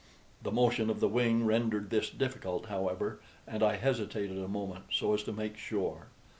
The motion of the wing rendered this difficult, however, and I hesitated a moment, so as to make sure.